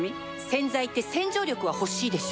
洗剤って洗浄力は欲しいでしょ